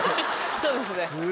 そうですね。